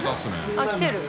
あっ来てる。